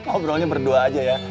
obrolnya berdua aja ya